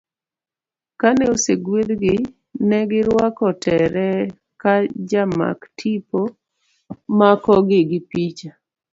Kane osegwedhgi, negi rwako tere ka jamak tipo makogi gi picha.